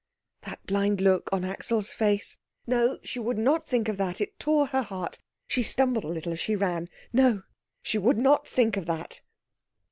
That blind look on Axel's face no, she would not think of that; it tore her heart. She stumbled a little as she ran no, she would not think of that.